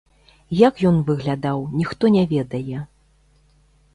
Як ён выглядаў, ніхто не ведае.